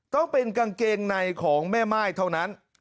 ต้องเป็นกางเกงในของแม่ม่ายเท่านั้น